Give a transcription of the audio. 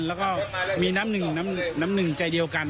แล้วก็มีน้ำหนึ่งใจเดียวกัน